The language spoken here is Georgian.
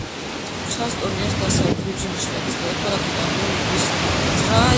ჩარლსტონი არის დასავლეთ ვირჯინიის შტატის დედაქალაქი და ამავდროულად უდიდესი ქალაქიც.